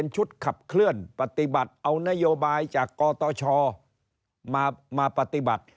ชุดขับเคลื่อนปฏิบัติเอานโยบายจากกตชมาปฏิบัติ